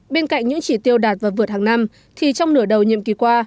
bên cạnh những chỉ tiêu đạt và vượt hàng năm thì trong nửa đầu nhiệm kỳ qua